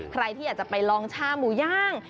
ใครที่อยากจะไปลองชาหมูย่าง